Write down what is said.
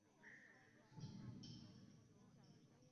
黎艾是广义省思义府慕德县知德总平安村沙平邑出生。